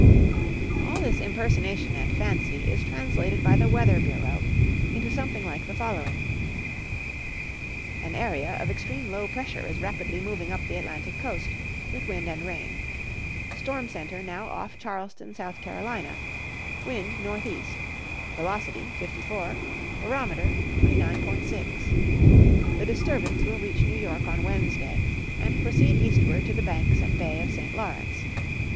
All this impersonation and fancy is translated by the Weather Bureau into something like the following: "An area of extreme low pressure is rapidly moving up the Atlantic Coast, with wind and rain. Storm center now off Charleston, S. C. Wind N. E.; velocity, 54. Barometer, 29.6. The disturbance will reach New York on Wednesday, and proceed eastward to the Banks and Bay of St. Lawrence.